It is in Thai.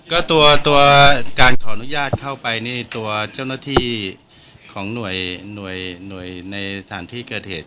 ก็ตัวการขออนุญาตเข้าไปนี่ตัวเจ้าหน้าที่ของหน่วยในสถานที่เกิดเหตุ